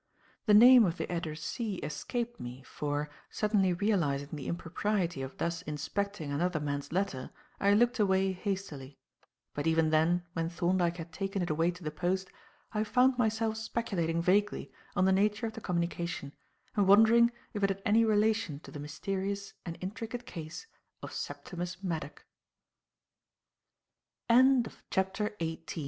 The name of the addressee escaped me, for, suddenly realizing the impropriety of thus inspecting another man's letter, I looked away hastily; but even then when Thorndyke had taken it away to the post, I found myself speculating vaguely on the nature of the communication and wondering if it had any relation to the mysterious and intricate case of Septimus Maddock. CHAPTER XIX TENE